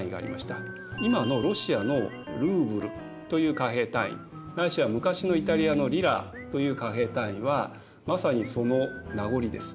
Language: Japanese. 今のロシアのルーブルという貨幣単位ないしは昔のイタリアのリラという貨幣単位はまさにその名残です。